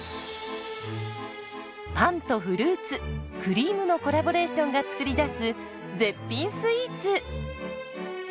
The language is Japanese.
パンとフルーツクリームのコラボレーションが作り出す絶品スイーツ。